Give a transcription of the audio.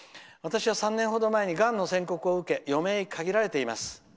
「私は３年ほど前にがんの宣告を受け余命が限られています。